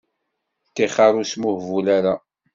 Ṭixer ur smuhbul ara.